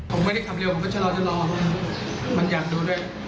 ผมไม่ได้ขับเร็วผมก็ชะลอมันอยากดูด้วย